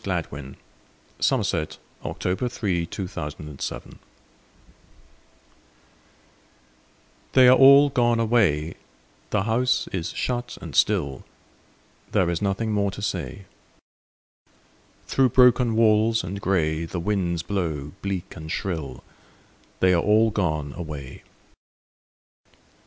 Edwin Arlington Robinson The House on the Hill THEY are all gone away, The house is shut and still, There is nothing more to say. Through broken walls and gray The winds blow bleak and shrill: They are all gone away.